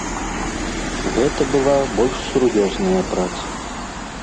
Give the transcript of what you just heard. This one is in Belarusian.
Гэта была больш сур'ёзная праца.